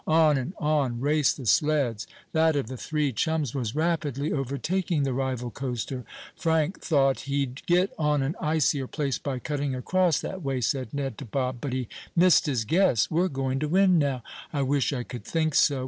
On and on raced the sleds. That of the three chums was rapidly overtaking the rival coaster. "Frank thought he'd get on an icier place by cutting across that way," said Ned to Bob. "But he missed his guess. We're going to win now." "I wish I could think so."